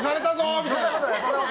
みたいな。